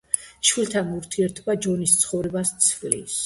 შვილთან ურთიერთობა ჯონის ცხოვრებას ცვლის.